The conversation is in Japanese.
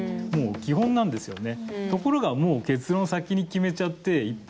基本なんですよね。